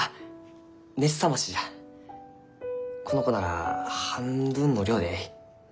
この子なら半分の量でえい。